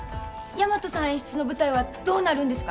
大和さん演出の舞台はどうなるんですか？